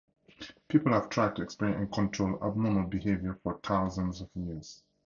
People have tried to explain and control abnormal behavior for thousands of years.